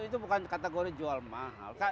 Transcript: itu bukan kategori jual mahal